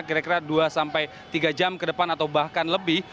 kira kira dua sampai tiga jam ke depan atau bahkan lebih